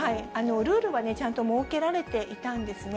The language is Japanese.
ルールはちゃんと設けられていたんですね。